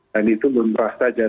dan itu belum berhasil